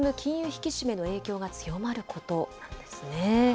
引き締めの影響が強まるこそうなんです。